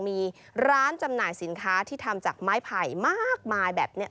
มีร้านจำหน่ายสินค้าที่ทำจากไม้ไผ่มากมายแบบนี้